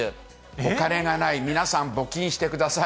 お金がない、皆さん、募金してください。